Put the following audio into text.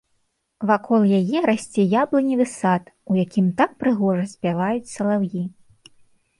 Вакол яе расце яблыневы сад, у якім так прыгожа спяваюць салаўі.